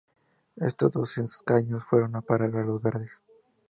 Estos dos escaños fueron a parar a los verdes.